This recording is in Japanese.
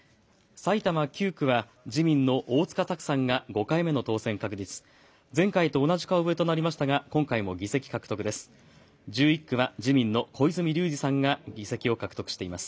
埼玉９区は自民の大塚拓さんが５回目の当選確実、前回と同じ顔ぶれとなりましたが今回も議席獲得です。